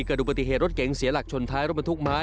เกิดอุบัติเหตุรถเก๋งเสียหลักชนท้ายรบบทุกหมาย